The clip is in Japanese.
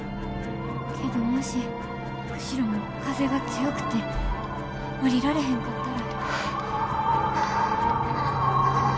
けどもし釧路も風が強くて降りられへんかったら。